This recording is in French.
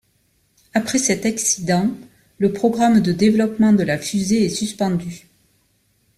Après cet accident le programme de développement de la fusée est suspendu.